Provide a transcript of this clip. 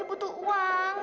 ya gue tuh lagi butuh uang